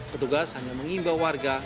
petugas hanya mengimbau warga